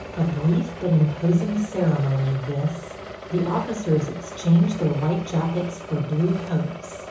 A brief but imposing ceremony, this. The officers exchange their white jackets for blue coats.